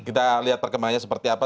kita lihat perkembangannya seperti apa